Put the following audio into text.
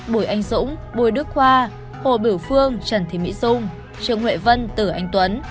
bùi anh dũng bùi đức khoa hồ bửu phương trần thị mỹ dung trường huệ vân tử anh tuấn